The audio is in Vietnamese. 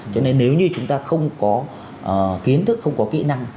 cho nên nếu như chúng ta không có kiến thức không có kỹ năng